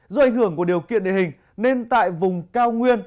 do ảnh hưởng của điều kiện địa hình nên tại vùng cao nguyên